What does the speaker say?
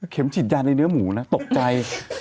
เข็มจิตยานในเนื้อหมูนะตกใจ